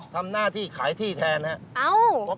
ทำหน้าที่ขายที่แทนครับ